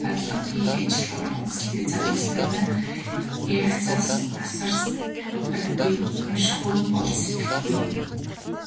Дадлага хийх, ажилд орох хүсэлтэй залуус манай редакцаас тасардаггүй. УНШИХГҮЙ БОЛ СЭТГЭХГҮЙ.